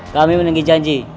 kami menengah janji